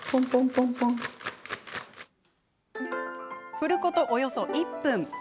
振ることおよそ１分。